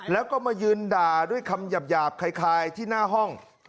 แล้วก็มายืนด่าด้วยคำหยาบคล้ายที่หน้าห้อง